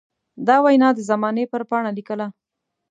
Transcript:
دا وينا د زمانې پر پاڼه ليکله.